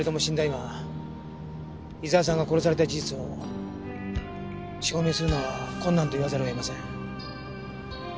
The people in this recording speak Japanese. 今伊沢さんが殺された事実を証明するのは困難と言わざるを得ません。